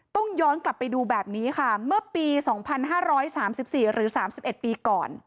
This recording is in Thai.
ต้องย้อนกลับไปดูแบบนี้ค่ะเมื่อปี๒๕๓๔หรือ๓๑ปีก่อน